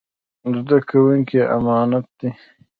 زده کوونکي يې امانت دي.